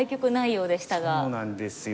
そうなんですよ。